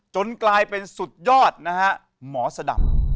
จนกลายเป็นสุดยอดหมอสะด๑